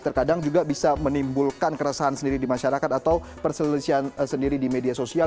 terkadang juga bisa menimbulkan keresahan sendiri di masyarakat atau perselisihan sendiri di media sosial